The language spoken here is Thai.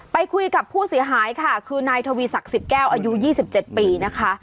ไปคุยกับผู้เสียหายค่ะคือนายทวีศักดิ์สิทธิ์แก้วอายุ๒๗ปีนะคะ